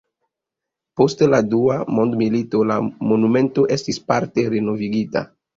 Post la dua mondmilito la monumento estis parte renovigita.